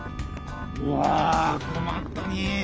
うわ困ったねえ。